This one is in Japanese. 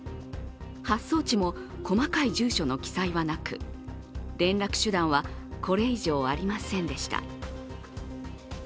発送地も細かい住所の記載はなく連絡手段はこれ以上ありませんでした。